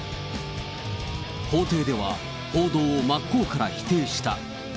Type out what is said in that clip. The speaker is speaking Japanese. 法廷では、報道を真っ向から否定した。